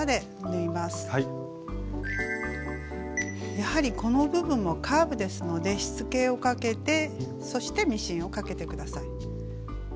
やはりこの部分もカーブですのでしつけをかけてそしてミシンをかけて下さい。